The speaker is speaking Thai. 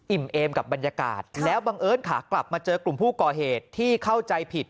เอมกับบรรยากาศแล้วบังเอิญขากลับมาเจอกลุ่มผู้ก่อเหตุที่เข้าใจผิด